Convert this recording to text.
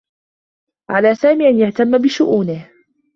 على سامي أن يهتمّ بشؤونه.